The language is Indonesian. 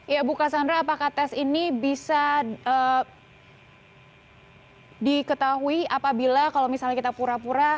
ya bu cassandra apakah tes ini bisa diketahui apabila kalau misalnya kita pura pura